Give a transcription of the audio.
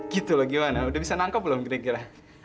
gitu loh gimana udah bisa nangkep belum kira kira